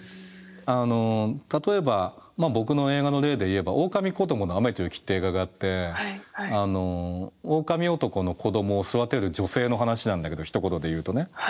あの例えば僕の映画の例で言えば「おおかみこどもの雨と雪」って映画があっておおかみおとこの子どもを育てる女性の話なんだけどひと言で言うとね。